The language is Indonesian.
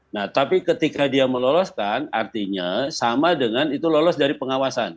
nah tapi ketika dia meloloskan artinya sama dengan itu lolos dari pengawasan